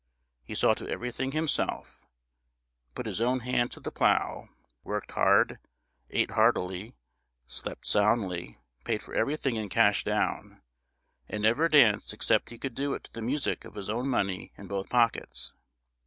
He saw to everything himself; put his own hand to the plough; worked hard; ate heartily; slept soundly; paid for everything in cash down; and never danced except he could do it to the music of his own money in both pockets.